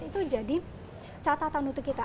itu jadi catatan untuk kita